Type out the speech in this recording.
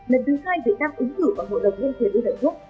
lần thứ hai việt nam ứng cử bằng hội đồng nhân quyền của liên hợp quốc